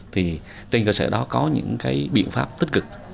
thì trên cơ sở đó có những cái biện pháp tích cực